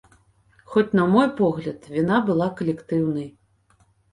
Хоць, на мой погляд, віна была калектыўнай.